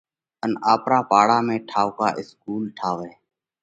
ان آپرا پاڙا ۾ ٺائُوڪا اِسڪُول ٺاوئہ۔